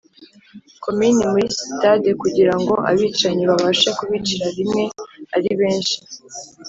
Komini muri sitade kugira ngo abicanyi babashe kubicira rimwe ari benshi